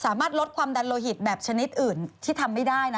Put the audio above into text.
สามารถลดความดันโลหิตแบบชนิดอื่นที่ทำไม่ได้นะ